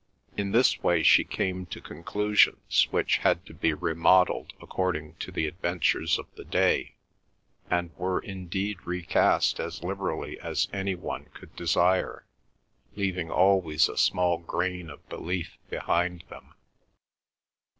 In this way she came to conclusions, which had to be remodelled according to the adventures of the day, and were indeed recast as liberally as any one could desire, leaving always a small grain of belief behind them.